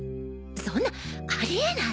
そんなありえない。